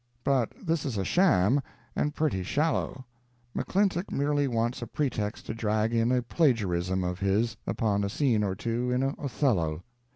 But this is a sham, and pretty shallow. McClintock merely wants a pretext to drag in a plagiarism of his upon a scene or two in "Othello."